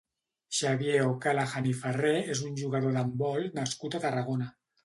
Xavier O'Callaghan i Ferrer és un jugador d'handbol nascut a Tarragona.